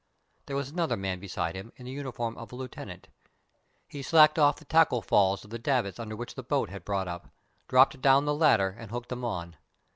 There was another man beside him in the uniform of a lieutenant. He slacked off the tackle falls of the davits under which the boat had brought up, dropped down the ladder and hooked them on.